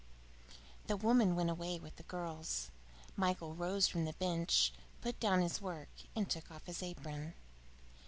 X The woman went away with the girls. Michael rose from the bench, put down his work, and took off his apron.